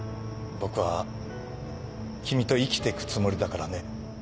僕は君と生きてくつもりだからね。